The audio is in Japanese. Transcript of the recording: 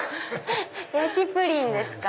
焼きプリンですか？